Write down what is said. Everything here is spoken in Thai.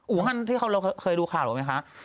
ฮันที่เราเคยดูข่าวออกไหมคะ